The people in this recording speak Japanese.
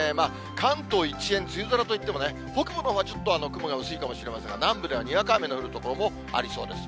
関東一円、梅雨空といってもね、北部のほうはちょっと雲が薄いかもしれませんが、南部ではにわか雨の降る所もありそうです。